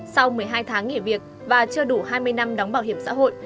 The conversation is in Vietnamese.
sau một mươi hai tháng nghỉ việc và chưa đủ hai mươi năm đóng bảo hiểm xã hội